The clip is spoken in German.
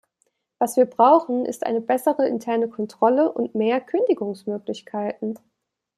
Was wir brauchen, ist eine bessere interne Kontrolle und mehr Kündigungsmöglichkeiten.